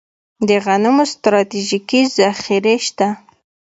د غنمو ستراتیژیکې ذخیرې شته